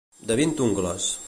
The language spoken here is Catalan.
De vint ungles.